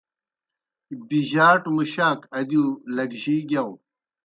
بِجَاٹَوْ مُشاک ادِیؤ لگجِی گِیاؤ۔